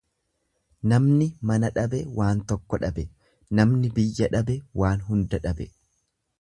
Namni mana dhabe waa tokko dhabe, namni biyya dhabe waa hunda dhabe.